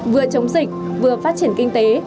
vừa chống dịch vừa phát triển kinh tế